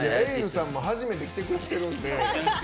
ｅｉｌｌさんも初めて来てくれてるんで。